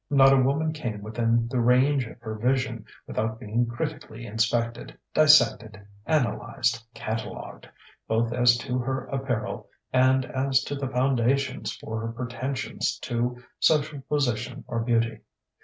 Not a woman came within the range of her vision without being critically inspected, dissected, analyzed, catalogued, both as to her apparel and as to the foundations for her pretensions to social position or beauty.